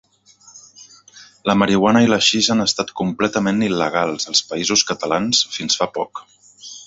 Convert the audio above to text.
La marihuana i l'haixix han estat completament il·legals, als Països Catalans, fins fa poc.